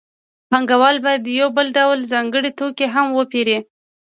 پانګوال باید یو بل ډول ځانګړی توکی هم وپېري